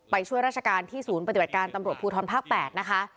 ช่วยราชการที่ศูนย์ปฏิบัติการตำรวจภูทรภาค๘นะคะ